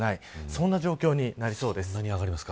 そんな状況になりそうです。